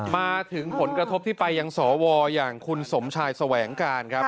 มาถึงผลกระทบที่ไปยังสวอย่างคุณสมชายแสวงการครับ